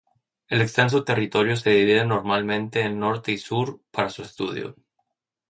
El extenso territorio se divide normalmente en norte y sur, para su estudio.